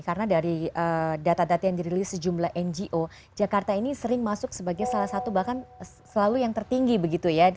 karena dari data data yang dirilis sejumlah ngo jakarta ini sering masuk sebagai salah satu bahkan selalu yang tertinggi begitu ya